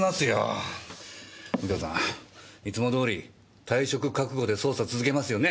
右京さんいつもどおり退職覚悟で捜査続けますよね？